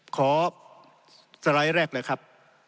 ขอสไลด์แรกนะครับ